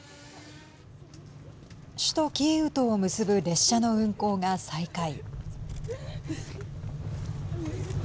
首都キーウとを結ぶ列車の運行が再開。